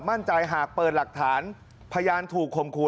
มั่นใจหากเปิดหลักฐานพยานถูกข่มขู่